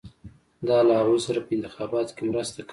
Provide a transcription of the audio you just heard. دا له هغوی سره په انتخاباتو کې مرسته کوي.